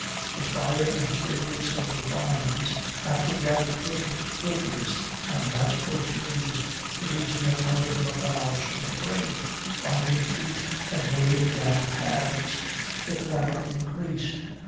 The fire and fragrance of the wines acted like potent philters and magical fumes, producing a kind of mirage in the brain, binding feet, and weighing down hands. The clamor increased.